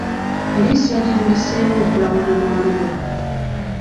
Poliisi yatandiseewo okulawuna mu Arua.